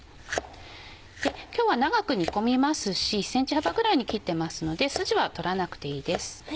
今日は長く煮込みますし１ｃｍ幅ぐらいに切ってますのでスジは取らなくていいです。